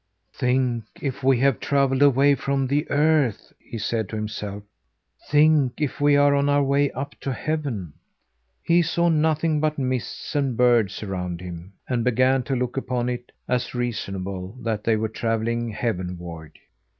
"Think, if we have travelled away from the earth!" he said to himself. "Think, if we are on our way up to heaven!" He saw nothing but mists and birds around him, and began to look upon it as reasonable that they were travelling heaven ward.